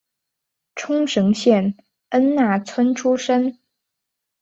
冲绳县恩纳村出身。